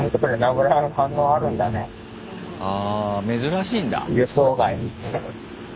あ珍しいんだ。